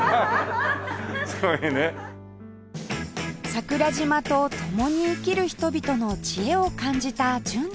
桜島と共に生きる人々の知恵を感じた純ちゃん